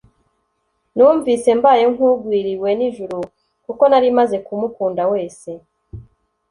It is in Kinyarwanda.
numvise mbaye nkugwiriwe n'ijuru kuko nari maze kumukunda wese